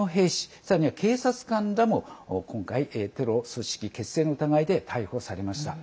さらには、警察官らも今回、テロ組織結成の疑いで逮捕されました。